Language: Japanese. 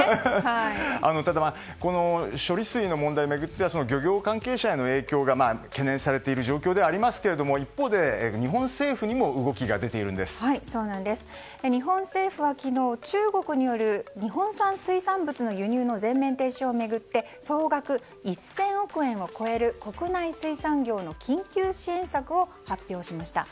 ただ、処理水の問題を巡っては漁業関係者への影響が懸念されていますけれども一方で日本政府にも日本政府は昨日中国による日本産水産物の輸入の全面停止を巡って総額１０００億円を超える国内水産業の緊急支援策を発表しました。